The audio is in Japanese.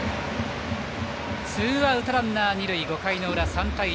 ツーアウトランナーは二塁５回の裏、３対１。